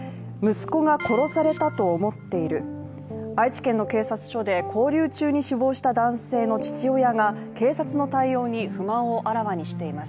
息子が殺されたと思っている、愛知県の警察署で勾留中に死亡した男性の父親が警察の対応に不満をあらわにしています。